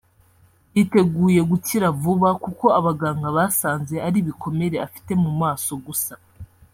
yiteguye gukira vuba kuko abaganga basanze ari ibikomere afite mu maso gusa